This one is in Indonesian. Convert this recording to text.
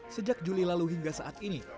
sejak juli lalu hingga saat ini